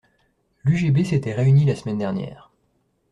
L’UGB s’était réunie la semaine dernière.